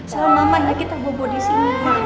selama amannya kita bobo disini